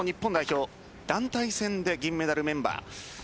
先日の日本代表団体戦で銀メダルメンバー。